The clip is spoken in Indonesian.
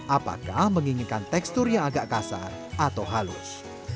apakah menginginkan tekstur yang agak kasar atau halus